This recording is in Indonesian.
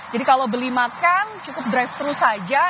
jadi kalau beli makan cukup drive thru saja